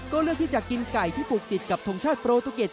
ก็เลือกที่จะกินไก่ที่ปลูกติดกับทงชาติโปรตูเกต